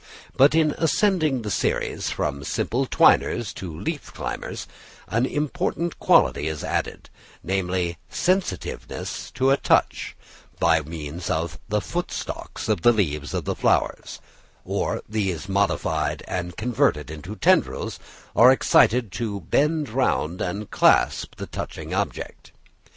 But in ascending the series from simple twiners to leaf climbers, an important quality is added, namely sensitiveness to a touch, by which means the foot stalks of the leaves or flowers, or these modified and converted into tendrils, are excited to bend round and clasp the touching object.